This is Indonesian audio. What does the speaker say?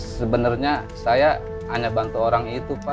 sebenarnya saya hanya bantu orang itu pak